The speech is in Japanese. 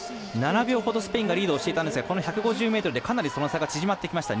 ７秒ほどスペインがリードしていたんですがこの１５０ｍでかなりその差が縮まってきました。